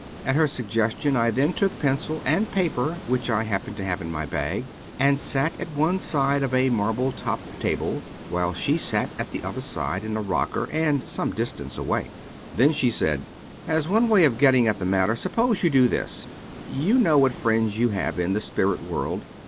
At her suggestion I then took pencil and paper (which I happened to have in my bag), and sat at one side of a marble top table, while she sat at the other side in a rocker and some distance away. Then she said: *As one way of getting at the matter, suppose you do this: You know what friends you have in the spirit world.